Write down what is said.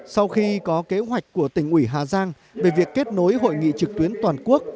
sau khi có kế hoạch của tỉnh ủy hà giang về việc kết nối hội nghị trực tuyến toàn quốc